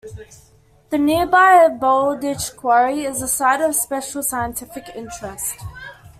The nearby Bowlditch Quarry is a Site of Special Scientific Interest.